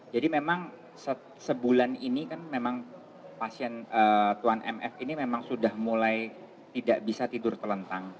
jadi memang sebulan ini kan memang pasien tuan mf ini memang sudah mulai tidak bisa tidur telentang